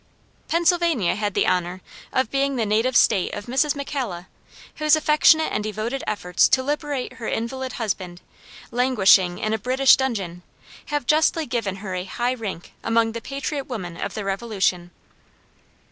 Pennsylvania had the honor of being the native State of Mrs. McCalla, whose affectionate and devoted efforts to liberate her invalid husband, languishing in a British dungeon, have justly given her a high rank among the patriot women of the Revolution.